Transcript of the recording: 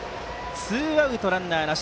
ツーアウトランナーなし。